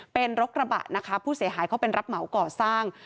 เป็นรถกระบะนะคะผู้เสียหายเขาเป็นรับเหมาก่อสร้าง